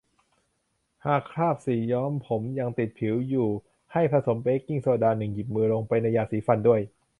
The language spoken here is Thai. หากคราบสีย้อมผมยังติดผิวอยู่ ให้ผสมเบกกิ้งโซดา หนึ่ง หยิบมือ ลงไปในยาสีฟันด้วย